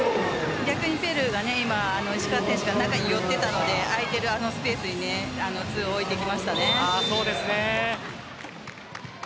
逆にペルーが石川選手が中に寄っていたので相手側のスペースにツーを置いてきましたね。